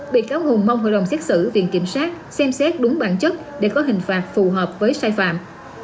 bị cáo hùng mong hội đồng xét xử viện kiểm sát xem xét đúng bản chất để có hình phạt phù hợp với sai phạm